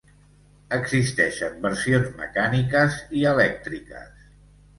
Existeixen versions mecàniques i elèctriques.